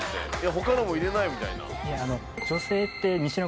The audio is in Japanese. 「他のも入れなよ」みたいな。